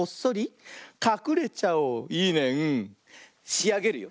しあげるよ。